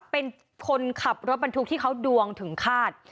เป็นคนขับรถบรรทุกที่เขาดวงถึงคาด